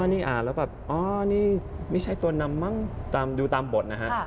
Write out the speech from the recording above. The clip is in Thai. นี่อ่านแล้วแบบอ๋อนี่ไม่ใช่ตัวนำมั้งดูตามบทนะฮะ